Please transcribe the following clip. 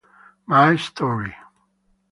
My Story".